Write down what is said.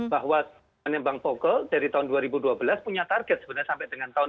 bahwa menimbang foggle dari tahun dua ribu dua belas punya target sebenarnya sampai dengan tahun dua ribu dua